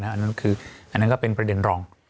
อันนั้นก็เป็นประเด็นรอง